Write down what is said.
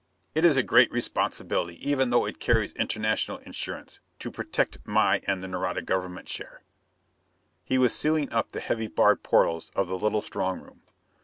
It is a great responsibility even though it carries international insurance, to protect my and the Nareda Government share." He was sealing up the heavy barred portals of the little strong room.